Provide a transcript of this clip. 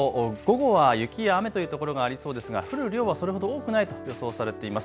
あすは関東、午後は雪や雨という所がありそうですが降る量はそれほど多くないと予想されています。